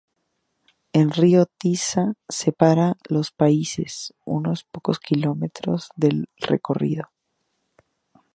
El río Tisza separa los países unos pocos kilómetros del recorrido.